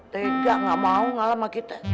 tegak gak mau ngalah sama kita